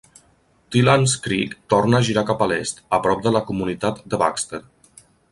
Tilhance Creek torna a girar cap a l"est, a prop de la comunitat de Baxter.